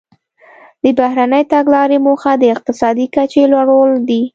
د بهرنۍ تګلارې موخه د اقتصادي کچې لوړول دي